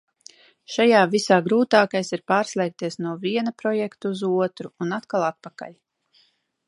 Šajā visā grūtākais ir pārslēgties no viena projekta uz otru un atkal atpakaļ.